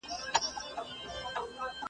درې زمري یې له هډونو جوړېدله `